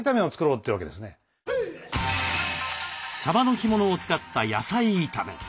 サバの干物を使った野菜炒め。